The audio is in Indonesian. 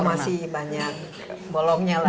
masih banyak bolongnya lah